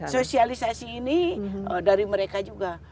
sosialisasi ini dari mereka juga